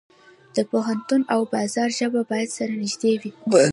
د پوهنتون او بازار ژبه باید سره نږدې وي.